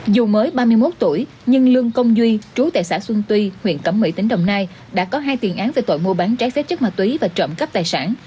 dù mới ba mươi một tuổi nhưng lương công duy trú tại xã xuân tuy huyện cẩm mỹ tỉnh đồng nai đã có hai tiền án về tội mua bán trái phép chất ma túy và trộm cắp tài sản